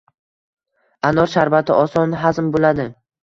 Anor sharbati oson hazm bo‘ladi.